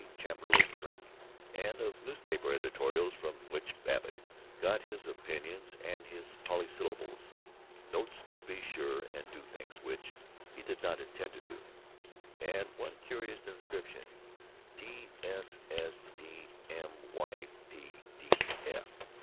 Cholmondeley Frink and of the newspaper editorials from which Babbitt got his opinions and his polysyllables, notes to be sure and do things which he did not intend to do, and one curious inscription D.S.S.D.M.Y.